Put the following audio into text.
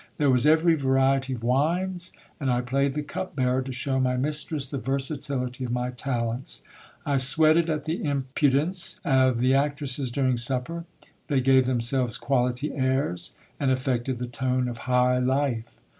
There was every variety of wines, and I played the cup bearer, to show my mistress the versatility of my talents. I sweated at the impudence of the actresses during supper ; they gave themselves quality airs, and affected the tone of high life.